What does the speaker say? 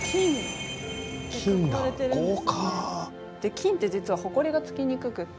金って実はホコリがつきにくくって。